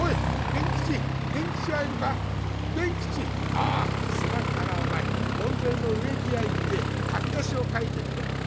ああすまんがなお前門前の植木屋行って書き出しを書いてくれんか。